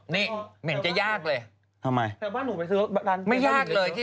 นี่เหม็นจะยากเลย